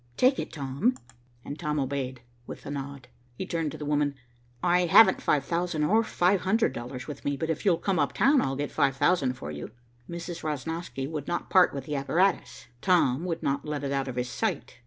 "Take it, Tom," and Tom obeyed, with a nod. He turned to the woman. "I haven't five thousand or five hundred dollars with me, but if you'll come up town, I'll get five thousand for you." Mrs. Rosnosky would not part with the apparatus. Tom would not let it out of his sight.